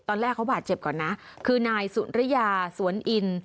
ตอนแรกเขาบาดเจ็บก่อนนะคือนายสุริยาสวนอิน